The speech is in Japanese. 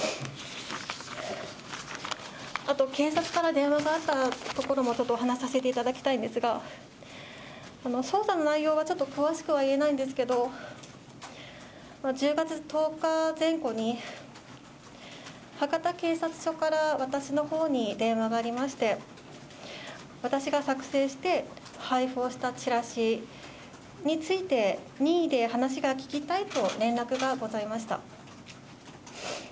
あと、警察から電話があったところもお話しさせていただきたいんですが、捜査の内容はちょっと詳しくは言えないんですけど、１０月１０日前後に、博多警察署から私のほうに電話がありまして、私が作成して配布をしたチラシについて、任意で話が聴きたいと連絡がございました。